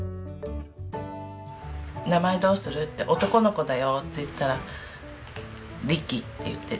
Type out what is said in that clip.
名前どうする？って男の子だよって言ったら力って言って。